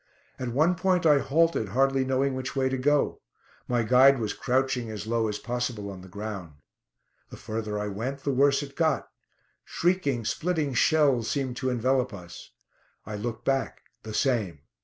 At one point I halted, hardly knowing which way to go; my guide was crouching as low as possible on the ground. The further I went, the worse it got; shrieking, splitting shells seemed to envelop us. I looked back. The same.